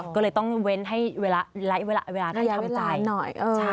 ก็เลยต้องเว้นเวลาให้ทำใจ